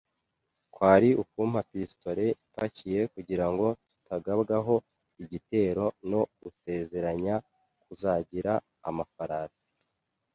kwari ukumpa pistolet ipakiye kugirango tutagabwaho igitero, no gusezeranya kuzagira amafarasi